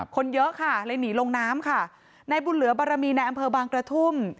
คนเยอะค่ะเลยหนีลงน้ำค่ะในบุญเหลือบารมีในอำเภอบางกระทุ่ม